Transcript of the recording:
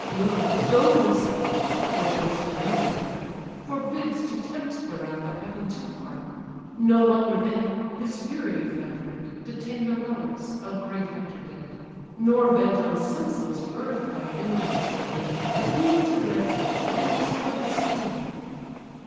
Lo! Jove himself (for Jove's command I bear) Forbids to tempt the wrath of heaven too far. No longer then (his fury if thou dread) Detain the relics of great Hector dead; Nor vent on senseless earth thy vengeance vain, But yield to ransom, and restore the slain."